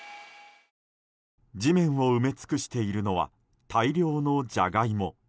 地面を埋め尽くしているのは大量のジャガイモ。